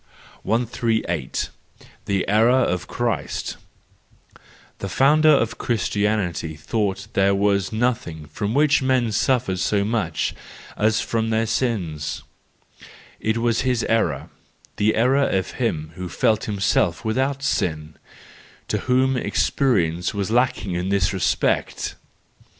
THE JOYFUL WISDOM, III 1 77 138. The Error of Christ —The founder of Christianity thought there was nothing from which men suffered so much as from their sins :—it was his error, the error of him who felt himself without sin, to whom experience was lacking in this respect!